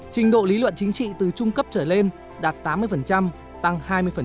trình độ lý luận chính trị từ trung cấp trở lên đạt tám mươi tăng hai mươi